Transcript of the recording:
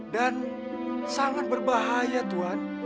dan sangat berbahaya tuan